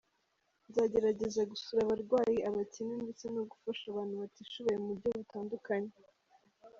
Nzagerageza gusura abarwayi, abakene ndetse no gufasha abantu batishoboye mu buryo butandukanye.